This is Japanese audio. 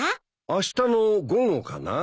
あしたの午後かな。